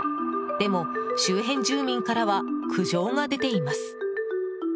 でも、周辺住民からは苦情が出ています。